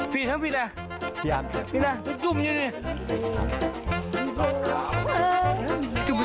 พี่ดาพี่ดามันจุบยังไง